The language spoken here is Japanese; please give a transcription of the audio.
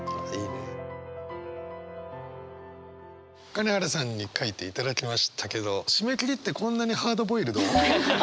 金原さんに書いていただきましたけど締め切りってこんなにハードボイルド？